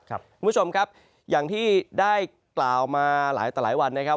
คุณผู้ชมครับอย่างที่ได้กล่าวมาหลายต่อหลายวันนะครับ